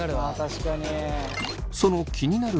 確かに。